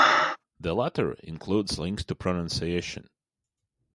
The latter includes links to pronunciation.